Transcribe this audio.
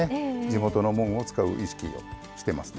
地元のもんを使う意識をしてますね。